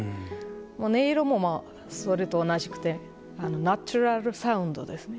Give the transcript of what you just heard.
音色もまあそれと同じくてナチュラルサウンドですね。